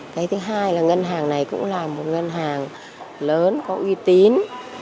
cái thứ hai là ngân hàng này cũng là một ngân hàng lớn có uy tín